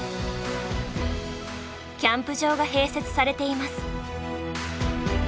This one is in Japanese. キャンプ場が併設されています。